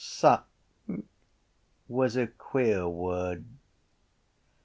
Suck was a queer word.